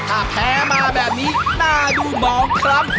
ถ้าแพ้มาแบบนี้น่าดูหมองคล้ำ